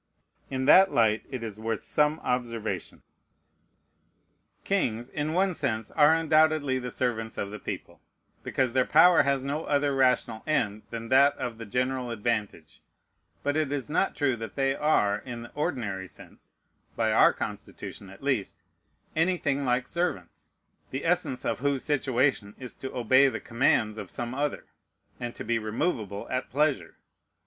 In that light it is worth some observation. Kings, in one sense, are undoubtedly the servants of the people, because their power has no other rational end than that of the general advantage; but it is not true that they are, in the ordinary sense, (by our Constitution, at least,) anything like servants, the essence of whose situation is to obey the commands of some other, and to be removable at pleasure.